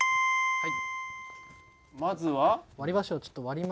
はい。